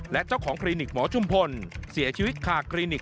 และเจ้าของครีนิคหมอชุมภลเสียชีวิตตายขาครีนิค